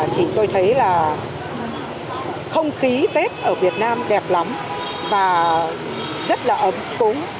thì tôi thấy là không khí tết ở việt nam đẹp lắm và rất là ấm cúng